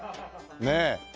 ねえ。